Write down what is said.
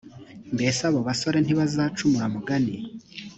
mbese abo bose ntibazamucira umugani ?